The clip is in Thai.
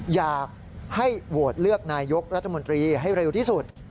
อยากให้โหวตเลือกนายกรัฐมนตรีให้เร็วที่สุด